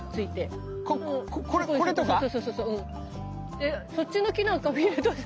でそっちの木なんか見るとさ。